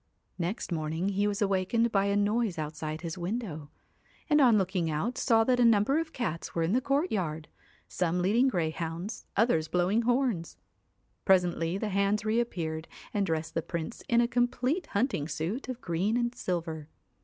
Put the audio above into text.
Next morning he was awakened by a noise outside his window, and on looking out saw that a number of cats were in the courtyard, some leading greyhounds, others blowing horns. Presently the hands reappeared and dressed the Prince in a complete hunting suit of green and silver.